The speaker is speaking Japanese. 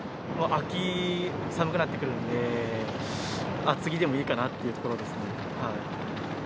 秋寒くなってくるんで、厚着でもいいかなっていうところですね。